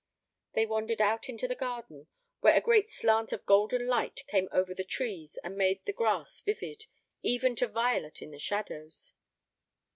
They wandered out into the garden, where a great slant of golden light came over the trees and made the grass vivid, even to violet in the shadows.